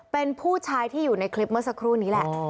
เป็นผู้ชายที่อยู่ในคลิปเมื่อสักครู่นี้แหละ